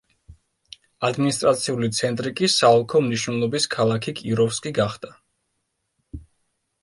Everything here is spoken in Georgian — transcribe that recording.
ადმინისტრაციული ცენტრი კი საოლქო მნიშვნელობის ქალაქი კიროვსკი გახდა.